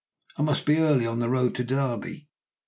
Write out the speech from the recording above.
I must be early on the road to Derby.